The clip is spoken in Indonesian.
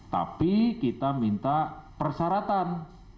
tapi kita minta persyaratan